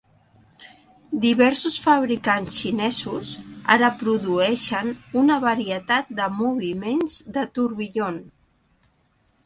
Diversos fabricants xinesos ara produeixen una varietat de moviments de tourbillon.